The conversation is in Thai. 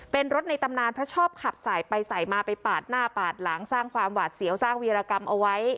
เป็นรถในตำนานเพราะชอบขับสายไปสายมาไปปาดหน้าปาดหลังสร้างความหวาดเสียวสร้างวีรกรรมเอาไว้